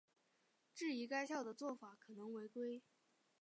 质疑该校的做法可能违规。